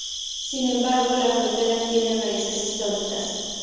Sin embargo, la frontera tiene raíces históricas.